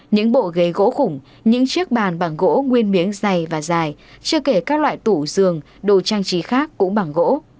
những bộ ghế gỗ khủng những chiếc bàn bằng gỗ nguyên miếng dày và dài chưa kể các loại tủ giường đồ trang trí khác cũng bằng gỗ